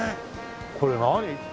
これ何？